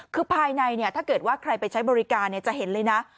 คือภายในถ้าเกิดว่าใครไปใช้บริการจะเห็นเลยนะ